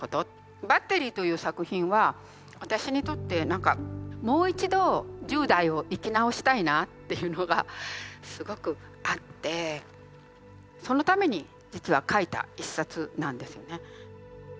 「バッテリー」という作品は私にとって何かもう一度１０代を生き直したいなっていうのがすごくあってそのために実は書いた一冊なんですよね。